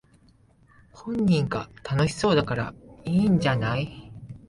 本人が楽しそうだからいいんじゃない